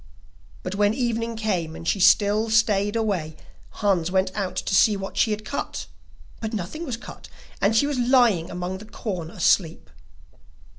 But when evening came and she still stayed away, Hans went out to see what she had cut, but nothing was cut, and she was lying among the corn asleep.